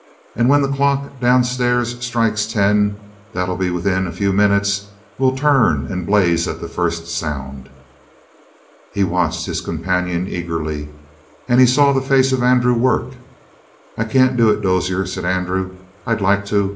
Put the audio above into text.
And when the clock downstairs strikes ten that'll be within a few minutes we'll turn and blaze at the first sound." He watched his companion eagerly, and he saw the face of Andrew work. "I can't do it, Dozier," said Andrew. "I'd like to.